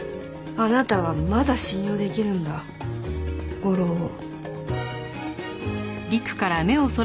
あなたはまだ信用できるんだ吾良を。